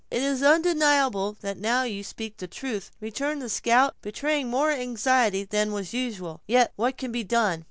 "It is undeniable that now you speak the truth," returned the scout, betraying more anxiety than was usual; "yet what can be done?